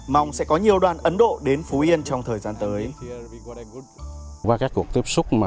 mong sẽ có nhiều đoàn ấn độ đến phú yên trong thời gian tới